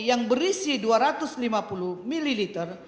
yang berisi dua ratus lima puluh ml